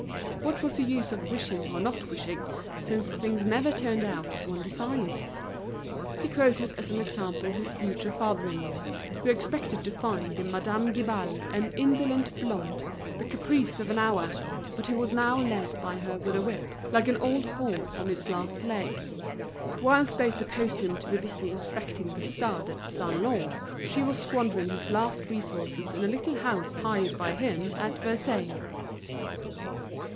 What was the use of wishing or not wishing, since things never turned out as one desired? He quoted as an example his future father in law, who expected to find in Madame Guibal an indolent blonde, the caprice of an hour, but who was now led by her with a whip, like an old horse on its last legs. Whilst they supposed him to be busy inspecting the stud at Saint Lô, she was squandering his last resources in a little house hired by him at Versailles.